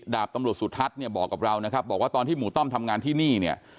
ดาบตำรวจสุทัศน์เนี่ยบอกกับเรานะครับบอกว่าตอนที่หมู่ต้อมทำงานที่นี่เนี่ย